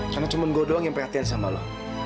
karena cuma gue doang yang perhatian sama lo